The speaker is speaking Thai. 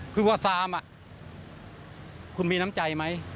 คือพอซามคุณมีน้ำใจไหม